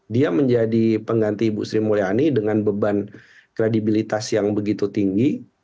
dia menjadi pengganti ibu sri mulyani dengan beban kredibilitas yang begitu tinggi